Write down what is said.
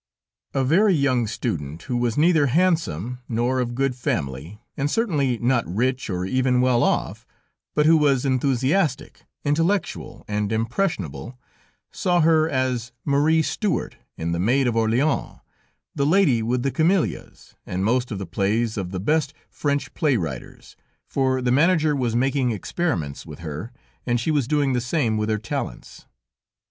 A very young student, who was neither handsome, nor of good family, and certainly not rich or even well off, but who was enthusiastic, intellectual and impressionable, saw her as Marie Stuart in The Maid of Orleans, The Lady with the Camelias, and most of the plays of the best French play writers, for the manager was making experiments with her, and she was doing the same with her talents.